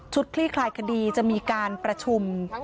คลี่คลายคดีจะมีการประชุม